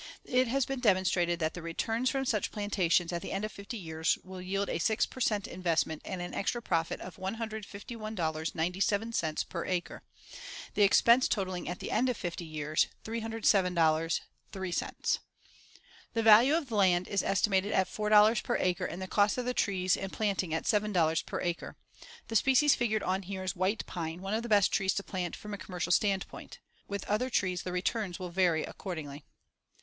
It has been demonstrated that the returns from such plantations at the end of fifty years will yield a six per cent investment and an extra profit of $151.97 per acre, the expense totaling at the end of fifty years, $307.03. The value of the land is estimated at $4 per acre and the cost of the trees and planting at $7 per acre. The species figured on here is white pine, one of the best trees to plant from a commercial standpoint. With other trees, the returns will vary accordingly.